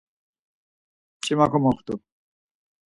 Mç̌ima komoxt̆u.